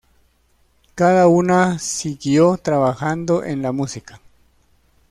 Cada una siguió trabajando en la música.